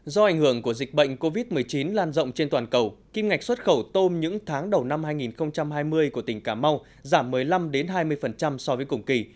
do ảnh hưởng của dịch bệnh covid một mươi chín lan rộng trên toàn cầu kim ngạch xuất khẩu tôm những tháng đầu năm hai nghìn hai mươi của tỉnh cà mau giảm một mươi năm hai mươi so với cùng kỳ